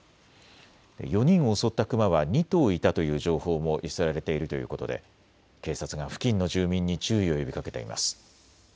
４人を襲ったクマは２頭いたという情報も寄せられているということで警察が付近の住民に注意を呼びかけています。